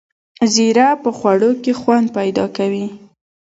زیره په خوړو کې خوند پیدا کوي